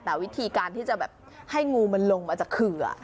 แต่วิธีการที่จะแบบให้งูมันลงมาจากเขื่อ